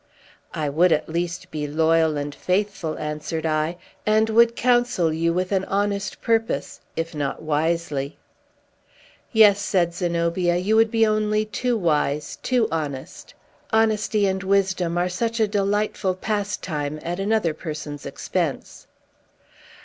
"I would, at least, be loyal and faithful," answered I; "and would counsel you with an honest purpose, if not wisely." "Yes," said Zenobia, "you would be only too wise, too honest. Honesty and wisdom are such a delightful pastime, at another person's expense!"